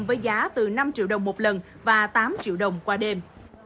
với giá từ năm triệu đồng một lần và tám triệu đồng qua đêm